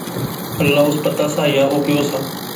اللہ اس پتہ سا یا او پیو سا